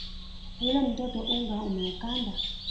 Yule mtoto unga ameukanda